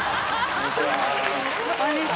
こんにちは